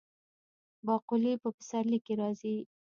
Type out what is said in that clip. باقلي په پسرلي کې راځي.